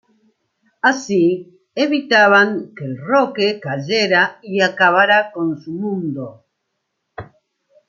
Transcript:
Así evitaban que el roque cayera y acabara con su mundo.